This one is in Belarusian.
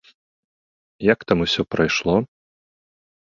Як там усё прайшло?